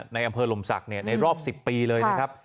ในอำเภอลมศกในรอบสิบปีเลยนะครับ